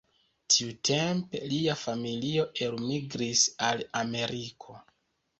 Tiutempe lia familio elmigris al Ameriko.